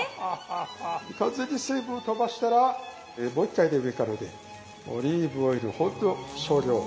完全に水分をとばしたらもう一回ね上からねオリーブオイルほんの少量を。